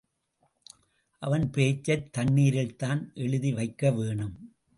அவன் பேச்சைத் தண்ணீரில்தான் எழுதி வைக்க வேணும்.